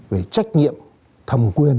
về trách nhiệm thầm quyền